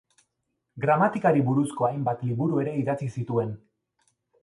Gramatikari buruzko hainbat liburu ere idatzi zituen.